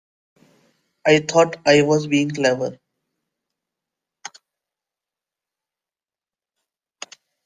I thought I was being clever.